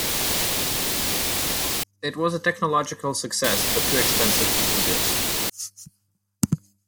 It was a technological success but too expensive to produce.